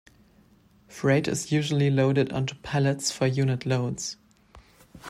Freight is usually loaded onto pallets for unit loads.